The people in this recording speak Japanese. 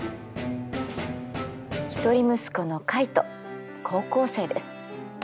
一人息子のカイト高校生です。